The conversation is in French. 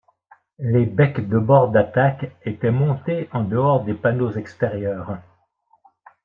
Les becs de bord d'attaque étaient montés en-dehors des panneaux extérieurs.